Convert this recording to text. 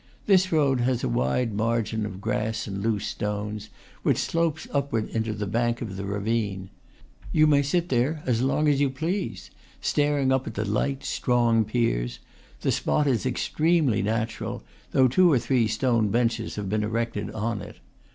This road has a wide margin of grass and loose stones, which slopes upward into the bank of the ravine. You may sit here as long as you please, staring up at the light, strong piers; the spot is ex tremely natural, though two or three stone benches have been erected on it.